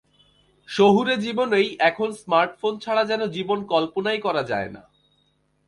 শহুরে জীবনেই এখন স্মার্টফোন ছাড়া যেন জীবন কল্পনাই করা যায় না।